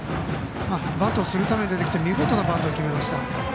バントをするために出てきて見事なバントを決めました。